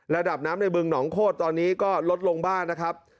ระดับน้ำในบึงหนองโคตรตอนนี้ก็ลดลงบ้างนะครับ